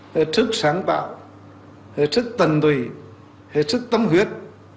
thiệt sức sáng bạo thiệt sức tần tùy thiệt sức tâm huyết